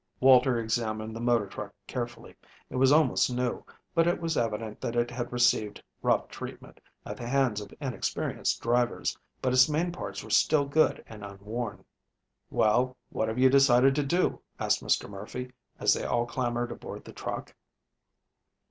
Walter examined the motor truck carefully. It was almost new, but it was evident that it had received rough treatment at the hands of inexperienced drivers, but its main parts were still good and unworn. "Well, what have you decided to do?" asked Mr. Murphy, as they all clambered aboard the truck.